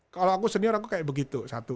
kalau aku senior aku kayak begitu satu